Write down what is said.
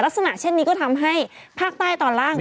ลักษณะเช่นนี้ก็ทำให้ภาคใต้ตอนล่าง